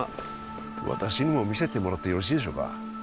私にも見せてもらってよろしいでしょうか？